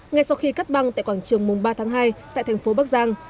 ngay sau khi cắt băng tại quảng trường mùng ba tháng hai tại thành phố bắc giang